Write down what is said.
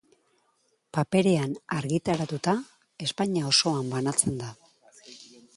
Paperean argitaratuta, Espainia osoan banatzen da.